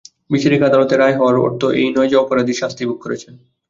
বিচারিক আদালতে রায় হওয়ার অর্থ এই নয় যে অপরাধী শাস্তি ভোগ করেছেন।